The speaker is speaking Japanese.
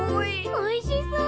おいしそう。